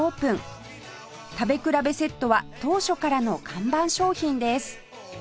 食べ比べセットは当初からの看板商品です